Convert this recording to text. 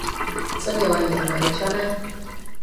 Co dělají Američané?